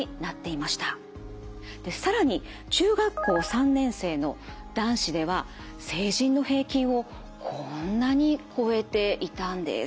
更に中学校３年生の男子では成人の平均をこんなに超えていたんです。